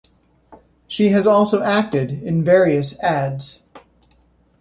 She has also acted in various ads.